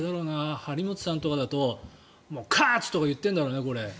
張本さんとかだと喝！とか言ってるんだろうな。